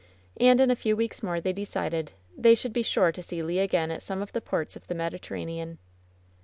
And in a few weeks more, they decided, they should be sure to see Le again at some of the ports of the Mediterranean.